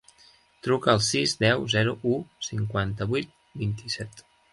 Truca al sis, deu, zero, u, cinquanta-vuit, vint-i-set.